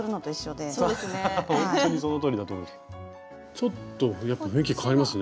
ちょっとやっぱ雰囲気変わりますね。